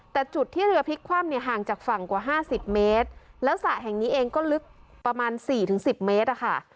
แต่จุดที่เรือพลิกคว่ำเนี่ยห่างจากฝั่งกว่าห้าสิบเมตรแล้วสระแห่งนี้เองก็ลึกประมาณสี่ถึงสิบเมตรอะค่ะ